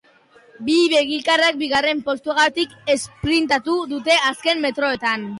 Bi belgikarrak bigarren postuagatik esprintatu dute azken metroetan.